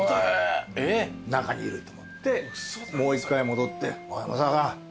中にいると思ってもう一回戻って。